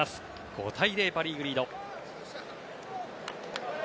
５対０、パ・リーグリード。